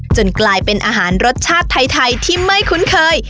กลายเป็นอาหารรสชาติไทยที่ไม่คุ้นเคย